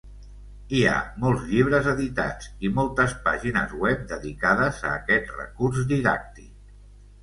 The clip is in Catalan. Hi ha molts llibres editats i moltes pàgines web dedicades a aquest recurs didàctic.